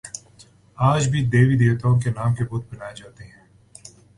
آج بھی دیوی دیوتاؤں کے نام کے بت بنا ئے جاتے ہیں